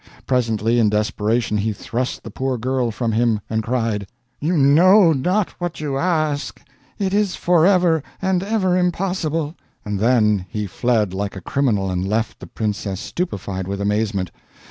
Presently, in desperation, he thrust the poor girl from him, and cried: "You know not what you ask! It is forever and ever impossible!" And then he fled like a criminal, and left the princess stupefied with amazement.